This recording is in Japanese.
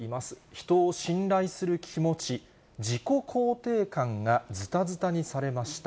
人を信頼する気持ち、自己肯定感がずたずたにされました。